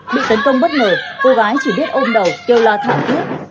bị tấn công bất ngờ cô gái chỉ biết ôm đầu kêu la thảm thuyết